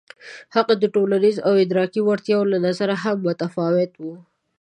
هغوی د ټولنیزو او ادراکي وړتیاوو له نظره هم متفاوت وو.